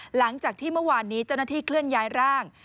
หลังจากที่เมื่อวานนี้เจ้าหน้าที่เคลื่อนย้ายร่าง